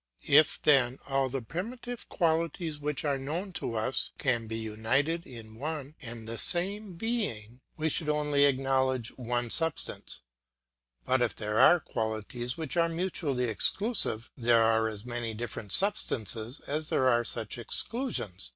If then all the primitive qualities which are known to us can be united in one and the same being, we should only acknowledge one substance; but if there are qualities which are mutually exclusive, there are as many different substances as there are such exclusions.